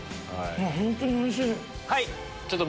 本当においしい！